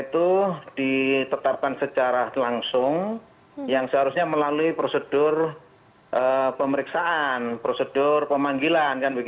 itu ditetapkan secara langsung yang seharusnya melalui prosedur pemeriksaan prosedur pemanggilan